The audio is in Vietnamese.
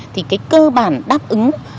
thì cái cơ bản đáp ứng